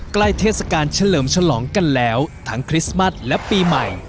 เทศกาลเฉลิมฉลองกันแล้วทั้งคริสต์มัสและปีใหม่